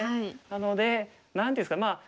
なので何て言うんですか。